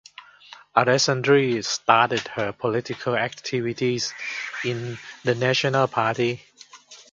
Alessandri started her political activities in the National Party.